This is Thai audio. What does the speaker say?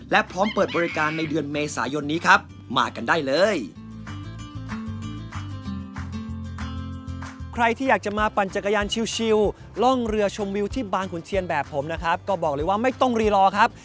และพร้อมเปิดบริการในเดือนเมษายนนี้ครับ